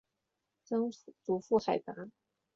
曾祖父海达。